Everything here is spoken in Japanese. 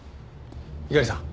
猪狩さん